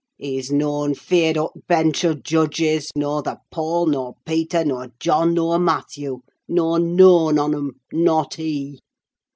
He's noan feared o' t' bench o' judges, norther Paul, nur Peter, nur John, nur Matthew, nor noan on 'em, not he!